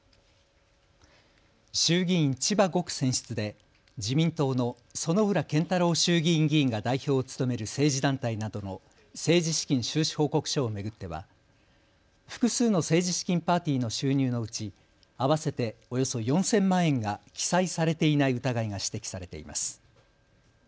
衆議院千葉５区選出で自民党の薗浦健太郎衆議院議員が代表を務める政治団体などの政治資金収支報告書を巡っては複数の政治資金パーティーの収入のうち合わせておよそ４０００万円が記載されていない疑いが指摘されています。